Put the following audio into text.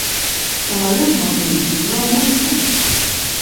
Самалёт маглі збіць наўмысна.